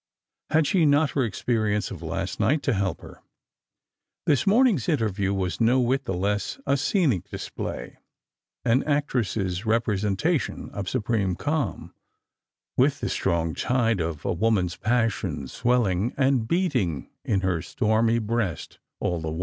[ad she not Lor experience of last night to help her ? This morning's interview was no whit the less a scenic display — an actress's representation of supreme calm, with the strong tide of a woman's passion swelUng and beating in her stormy breast all the while.